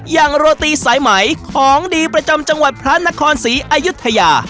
โรตีสายไหมของดีประจำจังหวัดพระนครศรีอายุทยา